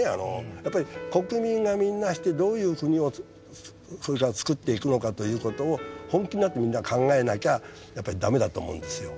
やっぱり国民がみんなしてどういう国をこれからつくっていくのかということを本気になってみんな考えなきゃやっぱりダメだと思うんですよ。